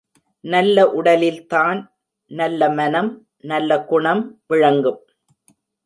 நல்ல உடலில்தான் நல்ல மனம், நல்ல குணம் விளங்கும்.